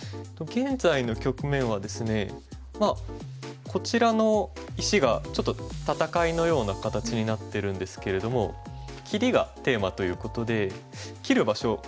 現在の局面はですねこちらの石がちょっと戦いのような形になってるんですけれどもキリがテーマということで切る場所